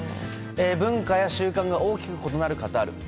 文化や習慣が大きく異なるカタール。